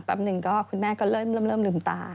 แป๊บหนึ่งคุณแม่ก็เริ่มลืมตา